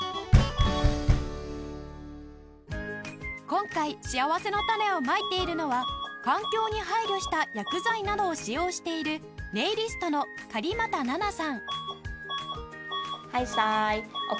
今回しあわせのたねをまいているのは環境に配慮した薬剤などを使用しているネイリストの狩俣奈々さん